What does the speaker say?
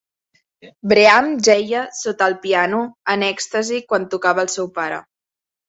Bream jeia sota el piano en "èxtasi" quan tocava el seu pare.